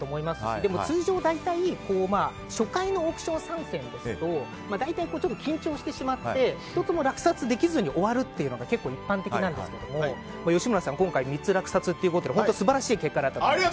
でも、通常初回のオークション参戦ですと大体、緊張してしまって１つも落札できずに終わるっていうのが結構一般的なんですけども吉村さんは今回３つ落札ということで素晴らしい結果だったと思います。